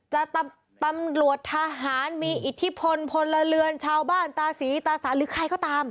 ตำรวจทหารมีอิทธิพลพลเรือนชาวบ้านตาศรีตาสารหรือใครก็ตาม